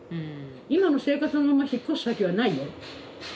今の生活のまま引っ越す先はないよ。